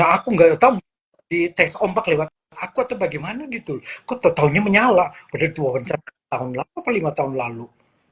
aku nggak tahu di tes ompak lewat aku atau bagaimana gitu ketahunya menyala pada tahun lalu